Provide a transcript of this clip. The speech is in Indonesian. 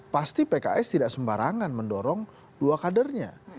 pasti pks tidak sembarangan mendorong dua kadernya